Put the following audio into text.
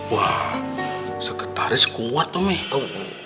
wah sekretaris kuat dong mie